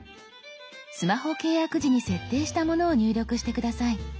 スマホ契約時に設定したものを入力して下さい。